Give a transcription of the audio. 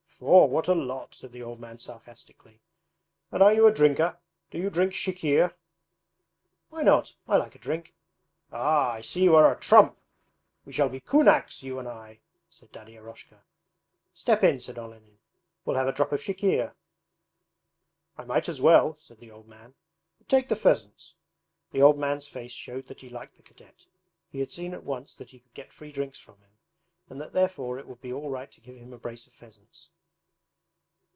'Four? What a lot!' said the old man sarcastically. 'And are you a drinker? Do you drink CHIKHIR?' 'Why not? I like a drink.' 'Ah, I see you are a trump! We shall be KUNAKS, you and I,' said Daddy Eroshka. 'Step in,' said Olenin. 'We'll have a drop of CHIKHIR.' 'I might as well,' said the old man, 'but take the pheasants.' The old man's face showed that he liked the cadet. He had seen at once that he could get free drinks from him, and that therefore it would be all right to give him a brace of pheasants.